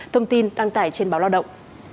thông tin đăng tải trên báo lao động